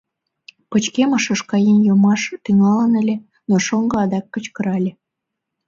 Пычкемышыш каен йомаш тӱҥалын ыле, но шоҥго адак кычкырале: